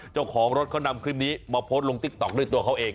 เจ้าของรถเขานำคลิปนี้มาโพสต์ลงติ๊กต๊อกด้วยตัวเขาเอง